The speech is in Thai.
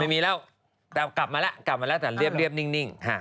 ไม่มีแล้วแต่กลับมาแล้วแต่เรียบนิ่ง